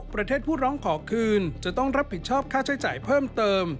ผู้ร้องขอคืนจะต้องรับผิดชอบค่าใช้จ่ายเพิ่มเติม